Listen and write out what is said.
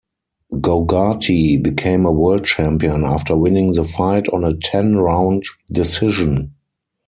Gogarty became a World Champion after winning the fight on a ten-round decision.